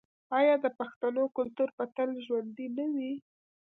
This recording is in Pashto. آیا د پښتنو کلتور به تل ژوندی نه وي؟